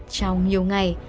trong nhiều ngày